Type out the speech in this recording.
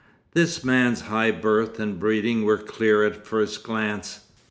This man's high birth and breeding were clear at first glance.